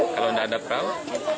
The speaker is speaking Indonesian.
kalau enggak ada perahu